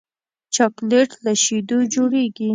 چاکلېټ له شیدو جوړېږي.